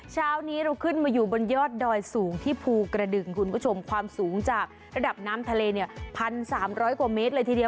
เช้านี้เราขึ้นมาอยู่บนยอดดอยสูงที่ภูกระดึงคุณผู้ชมความสูงจากระดับน้ำทะเลเนี่ย๑๓๐๐กว่าเมตรเลยทีเดียว